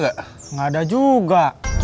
gak ada juga